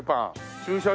駐車場